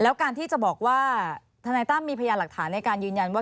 แล้วการที่จะบอกว่าทนายตั้มมีพยานหลักฐานในการยืนยันว่า